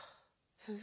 先生！